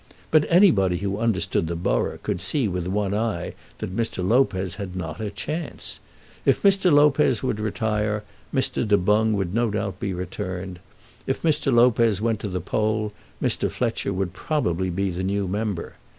But anybody who understood the borough could see with one eye that Mr. Lopez had not a chance. If Mr. Lopez would retire Mr. Du Boung would no doubt be returned. If Mr. Lopez went to the poll, Mr. Fletcher would probably be the new member.